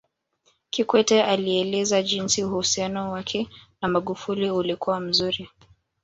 Kikwete alielezea jinsi uhusiano wake na Magufuli ulikuwa mzuri